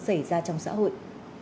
xảy ra trong xã hội